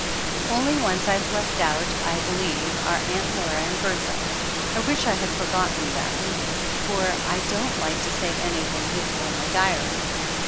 The only ones I've left out, I believe, are Aunt Laura and Bertha. I wish I had forgot ten them for I don't like to say anything hate ful in my diary.